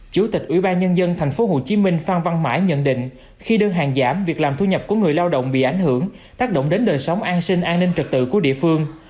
chủ tịch ủy ban nhân dân tp hcm phan văn mãi nhận định khi đơn hàng giảm việc làm thu nhập của người lao động bị ảnh hưởng tác động đến đời sống an sinh an ninh trật tự của địa phương